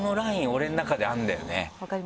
俺の中であるんだよね。